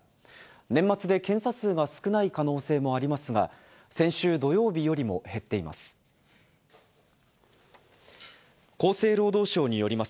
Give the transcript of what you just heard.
年末で検査数が少ない可能性もありますが、先週土曜日よりも減っています。